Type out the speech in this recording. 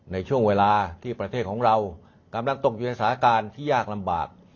ในช่วงเวลาที่ประเทศของเรากำลังตกอยู่ในสถานการณ์ที่ยากลำบาก